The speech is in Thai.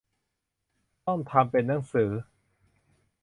ต้องทำเป็นหนังสือ